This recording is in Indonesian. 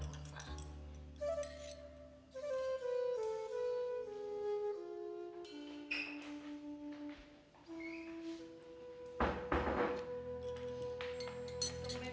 kumen banget umi